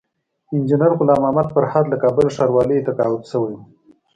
انجينر غلام محمد فرهاد له کابل ښاروالۍ تقاعد شوی وو